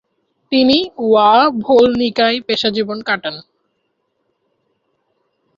তিনি ওয়াভোলনিকায় পেশাজীবন কাটান।